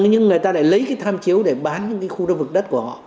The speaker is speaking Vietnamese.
nhưng người ta lại lấy cái tham chiếu để bán những cái khu đất vực đất của họ